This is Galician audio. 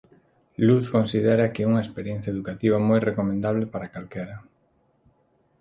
Luz considera que unha experiencia educativa moi recomendable para calquera.